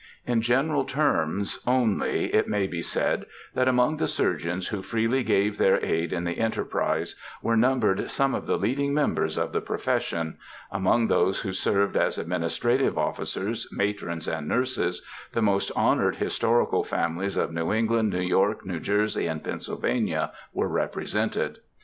In general terms only it may be said, that among the surgeons who freely gave their aid in the enterprise were numbered some of the leading members of the profession,—among those who served as administrative officers, matrons, and nurses, the most honored historical families of New England, New York, New Jersey, and Pennsylvania were represented.